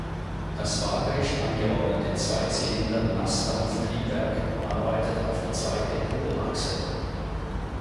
Das waagerecht angeordnete Zweizylinder-Nassdampftriebwerk arbeitet auf die zweite Kuppelachse.